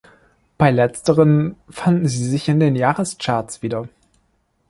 Bei letzteren fanden sie sich in den Jahrescharts wieder.